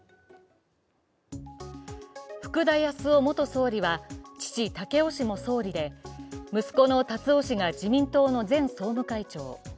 福田康夫元総理は、父・赳夫氏も総理で、息子の達夫氏が自民党の前総務会長。